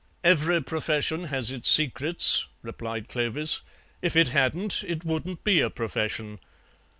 "Every profession has its secrets," replied Clovis; "if it hadn't it wouldn't be a profession.